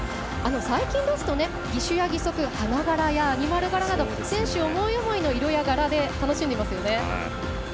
最近ですと、義手や義足花柄やアニマル柄など選手思い思いの色柄で楽しんでますよね。